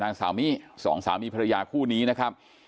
นางสาวมี่สองสามีภรรยาคู่นี้นะครับ